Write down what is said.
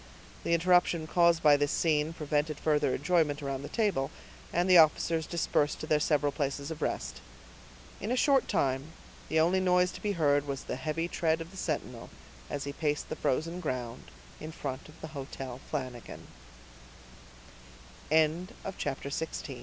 The interruption caused by this scene prevented further enjoyment around the table, and the officers dispersed to their several places of rest. In a short time the only noise to be heard was the heavy tread of the sentinel, as he paced the frozen ground in front of the Hotel Flan